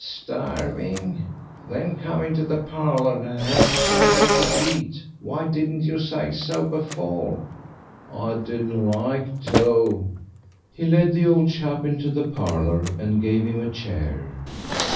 "Starving! ...Then come into the parlour and have something to eat. Why didn't you say so before?" "I didn't like to." He led the old chap into the parlour and gave him a chair.